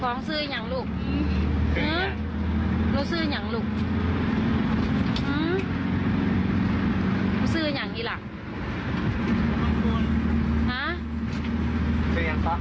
คือสิ่งที่เราติดตามคือสิ่งที่เราติดตาม